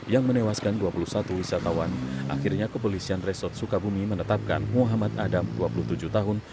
yang menewaskan dua puluh satu wisatawan akhirnya kepolisian resort sukabumi menetapkan muhammad adam dua puluh tujuh tahun